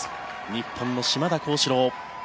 日本の島田高志郎。